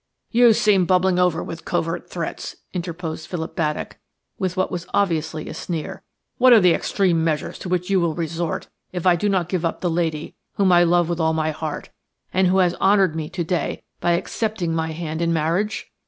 "You seem bubbling over with covert threats," interposed Philip Baddock, with what was obviously a sneer; "what are the extreme measures to which you will resort if I do not give up the lady whom I love with my whole heart, and who has honoured me to day by accepting my hand in marriage?"